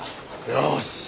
よし。